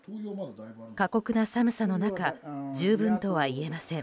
過酷な寒さの中十分とはいえません。